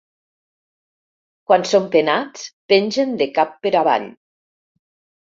Quan són penats pengen de cap per avall.